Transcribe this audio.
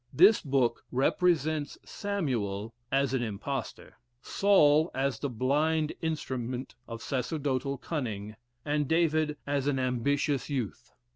This book represents Samuel as an impostor, Saul as the blind instrument of sacerdotal cunning, and David as an ambitious youth.